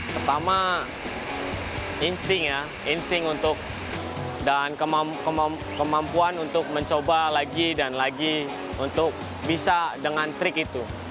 pertama insting ya insting untuk dan kemampuan untuk mencoba lagi dan lagi untuk bisa dengan trik itu